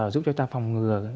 giúp cho ta phòng ngừa